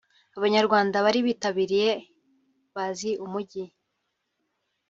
Abanyarwanda bari bitabiriye ‘bazi umujyi’